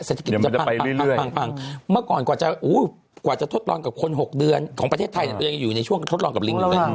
สถิกิตกรีกมันจะไฟเรื่อยฟังโอ๊ย